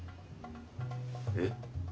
えっ？